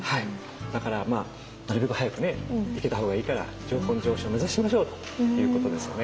だからまあなるべく早くね行けた方がいいから上品上生を目指しましょうということですよね。